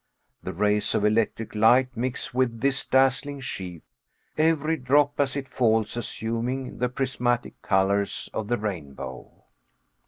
The rays of electric light mix with this dazzling sheaf, every drop as it falls assuming the prismatic colors of the rainbow.